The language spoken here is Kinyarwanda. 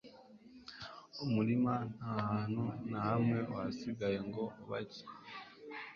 umurima nta hantu na hamwe wasigaye ngo bajye